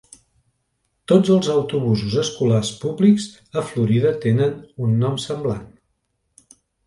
Tots els autobusos escolars públics a Florida tenen un nom semblant.